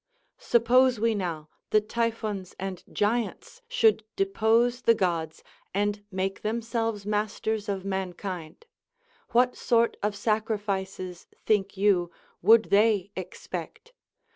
Suppose we now the Typhous and Giants should depose the Gods and make themselves masters of mankind, what sort of sacrifices, think you, would they expect?